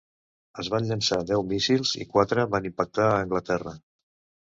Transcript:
Es van llançar deu míssils i quatre van impactar a Anglaterra.